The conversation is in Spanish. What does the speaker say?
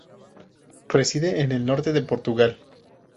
Reside en el norte de Portugal.